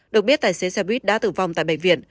được biết tài xế xe buýt đã tử vong tại bệnh viện